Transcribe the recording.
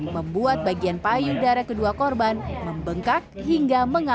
sebenarnya korbannya sangat banyak